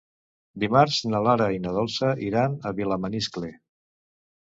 Dimarts na Lara i na Dolça iran a Vilamaniscle.